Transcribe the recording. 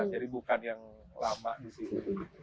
jadi bukan yang lama di sini